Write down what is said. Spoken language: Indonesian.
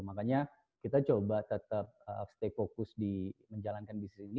makanya kita coba tetap stay fokus di menjalankan bisnis ini